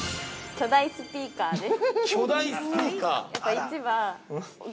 巨大スピーカーです◆